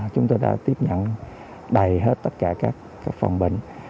chúng tôi đã tiếp nhận đầy hết tất cả các phòng bệnh